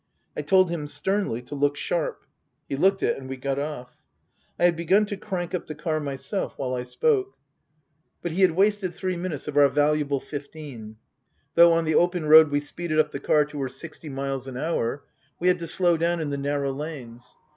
I told him sternly to look sharp. He looked it and we got off. I had begun to crank up the car myself while I spoke. 236 Tasker Jevons But he had wasted three minutes of our valuable fifteen. Though on the open road we speeded up the car to her sixty miles an hour, we had to slow down in the narrow lanes.